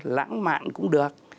lãng mạn cũng được